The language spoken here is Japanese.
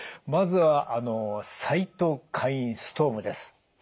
まずはあのサイトカインストームです。